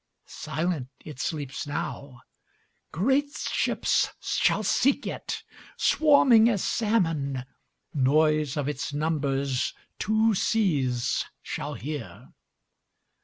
Silent it sleeps now; Great ships shall seek it, Swarming as salmon; Noise of its numbersTwo seas shall hear.